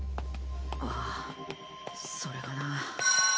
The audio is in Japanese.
ああそれがな。